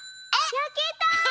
やけた！